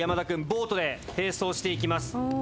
ボートで並走していきます。